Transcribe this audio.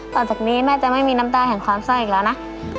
ต่อจากนี้แม่จะไม่มีน้ำตาแห่งความเศร้าอีกแล้วนะ